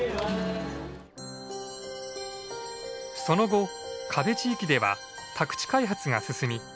その後可部地域では宅地開発が進み